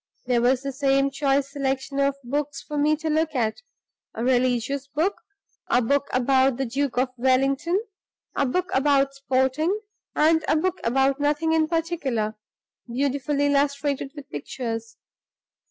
There was the same choice selection of books for me to look at a religious book, a book about the Duke of Wellington, a book about sporting, and a book about nothing in particular, beautifully illustrated with pictures.